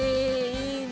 いいね！